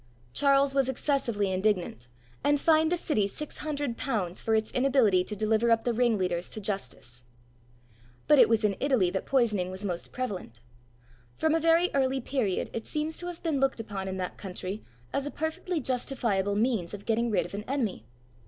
Charles was excessively indignant, and fined the city six hundred pounds for its inability to deliver up the ring leaders to justice. [Illustration: PAUL'S CROSS; SEVENTEENTH CENTURY.] But it was in Italy that poisoning was most prevalent. From a very early period, it seems to have been looked upon in that country as a perfectly justifiable means of getting rid of an enemy.